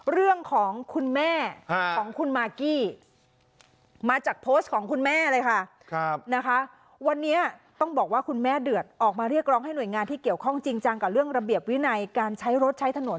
เรื่องของคุณแม่ของคุณมากกี้มาจากโพสต์ของคุณแม่เลยค่ะนะคะวันนี้ต้องบอกว่าคุณแม่เดือดออกมาเรียกร้องให้หน่วยงานที่เกี่ยวข้องจริงจังกับเรื่องระเบียบวินัยการใช้รถใช้ถนน